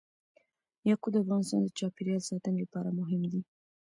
یاقوت د افغانستان د چاپیریال ساتنې لپاره مهم دي.